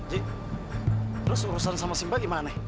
ji terus urusan sama simba gimana